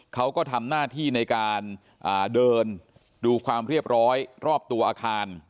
เขาก็ทำหน้าที่ในการเดินดูความเรียบร้อยรอบตัวอาคาร